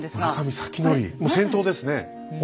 もう先頭ですね。